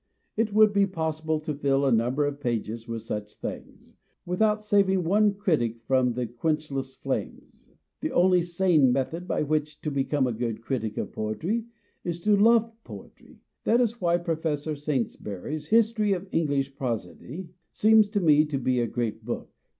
... It would be possible to fill a number of pages with such things, without saving one critic from the quench less flames. The only sane method by which to become a good critic of poetry is to love poetry. That is why Professor Saintsbury's " History of English Prosody " seems to me to be a great book.